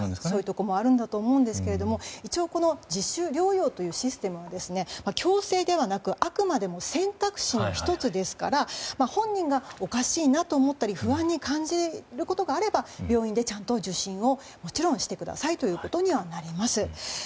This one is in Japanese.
そういうところもあると思いますが一応、自主療養というシステムは強制ではなくあくまでも選択肢の１つですから本人がおかしいなと思ったり不安に感じることがあれば病院でちゃんと受診をもちろんしてくださいということにはなります。